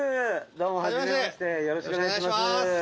どうもはじめましてよろしくお願いします